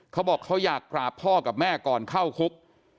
เขาบอกเขาอยากกราบพ่อกับแม่ก่อนเข้าคุก